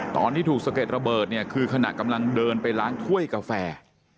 ตอนที่ถูกสะเก็ดระเบิดเนี่ยคือขณะกำลังเดินไปล้างถ้วยกาแฟ